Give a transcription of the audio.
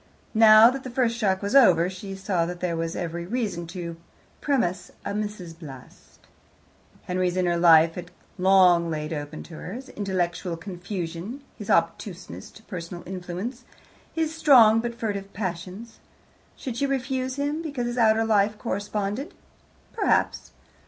Now that the first shock was over, she saw that there was every reason to premise a Mrs. Bast. Henry's inner life had long laid open to her his intellectual confusion, his obtuseness to personal influence, his strong but furtive passions. Should she refuse him because his outer life corresponded? Perhaps.